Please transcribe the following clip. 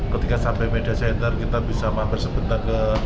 ketika sampai media center kita bisa mampir sebentar ke